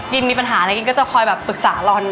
มีปัญหาอะไรกินก็จะคอยแบบปรึกษาลอน